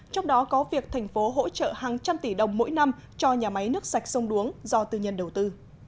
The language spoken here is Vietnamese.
trong đó có việc thành phố hỗ trợ hàng trăm tỷ đồng mỗi năm cho nhà máy nước sạch sông đuống do tư nhân đầu tư